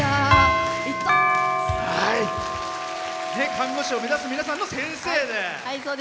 看護師を目指す皆さんの先生で。